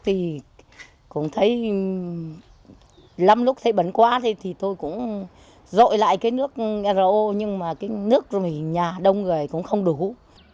thì cũng thấy lắm lúc thấy bẩn quá thì tôi cũng dội lại cái nước ro nhưng mà cái nước rồi nhà đông rồi cũng không đủ